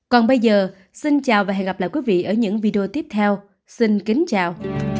còn bây giờ xin chào và hẹn gặp lại quý vị ở những video tiếp theo xin kính chào